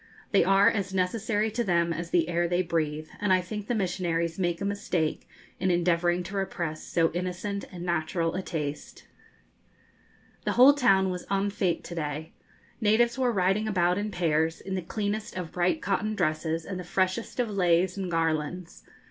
They are as necessary to them as the air they breathe, and I think the missionaries make a mistake in endeavouring to repress so innocent and natural a taste. The whole town was en fête to day. Natives were riding about in pairs, in the cleanest of bright cotton dresses and the freshest of leis and garlands.